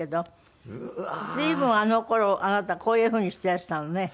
随分あの頃あなたこういう風にしてらしたのね。